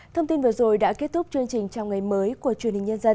thông tin vừa rồi đã kết thúc chương trình trong ngày mới của chương trình nhân dân